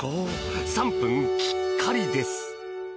３分きっかりです。